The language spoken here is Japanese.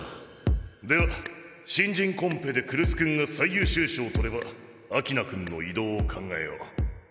では新人コンペで来栖くんが最優秀賞を取れば秋那くんの異動を考えよう。